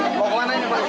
mau kemana ini pak